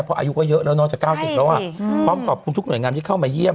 เพราะอายุก็เยอะแล้วนอกจาก๙๐แล้วพร้อมขอบคุณทุกหน่วยงานที่เข้ามาเยี่ยม